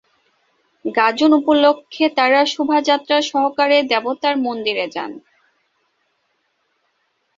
গাজন উপলক্ষ্যে তারা শোভাযাত্রা সহকারে দেবতার মন্দিরে যান।